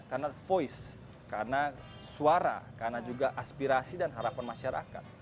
karena voice karena suara karena juga aspirasi dan harapan masyarakat